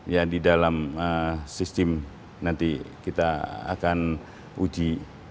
yang di dalam sistem nanti kita akan uji